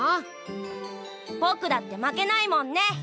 ぼくだって負けないもんね。